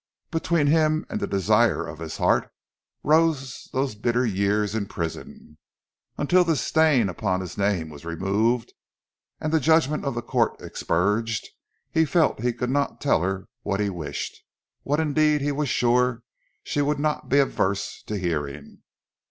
Between him and the desire of his heart rose those bitter years in prison. Until the stain upon his name was removed and the judgment of the court expurged, he felt he could not tell her what he wished, what indeed he was sure she would not be averse to hearing.